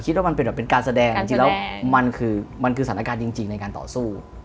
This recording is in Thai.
คิดว่ามันเป็นการแสดงจริงแล้วมันคือสถานการณ์จริงในการต่อสู้